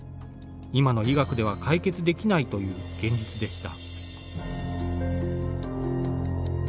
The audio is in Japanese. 今の医学では解決できないという現実でした。